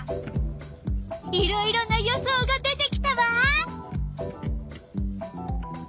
いろいろな予想が出てきたわ！